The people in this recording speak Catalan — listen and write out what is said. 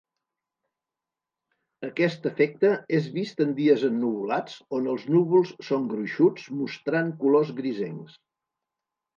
Aquest efecte és vist en dies ennuvolats on els núvols són gruixuts mostrant colors grisencs.